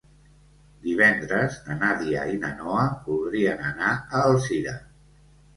Divendres na Nàdia i na Noa voldrien anar a Alzira.